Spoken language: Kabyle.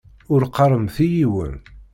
Ur qqaremt i yiwen!